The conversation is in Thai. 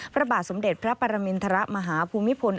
พระบาทสมเด็จพระปรมินทรมาฮภูมิพล